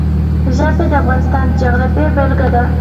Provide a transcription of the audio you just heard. ژبې د افغانستان د جغرافیې بېلګه ده.